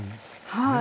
はい。